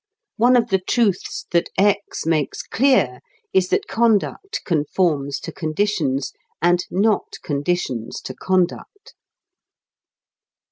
One of the truths that "X" makes clear is that conduct conforms to conditions, and not conditions to conduct.